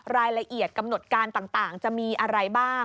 รายละเอียดกำหนดการต่างจะมีอะไรบ้าง